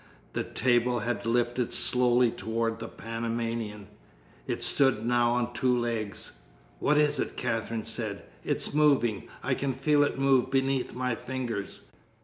The table had lifted slowly toward the Panamanian. It stood now on two legs. "What is it?" Katherine said. "It's moving. I can feel it move beneath my fingers."